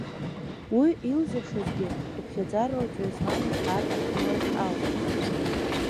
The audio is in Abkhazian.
Уи илзыршазгьы хыԥхьаӡарала ҵҩа змамыз ар ахьимаз ауп.